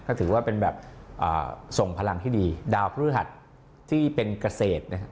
ก็ถือว่าเป็นแบบส่งพลังที่ดีดาวพฤหัสที่เป็นเกษตรนะครับ